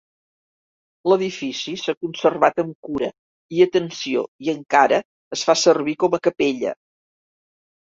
L'edifici s'ha conservat amb cura i atenció i encara es fa servir com a capella.